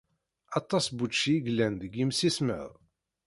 Aṭas n wučči ay yellan deg yimsismeḍ?